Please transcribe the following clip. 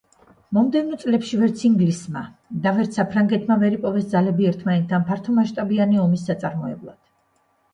მომდევნო წლებში ვერც ინგლისმა და ვერც საფრანგეთმა ვერ იპოვეს ძალები ერთმანეთთან ფართომასშტაბიანი ომის საწარმოებლად.